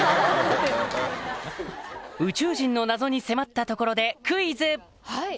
宇宙人の謎に迫ったところでクイズ！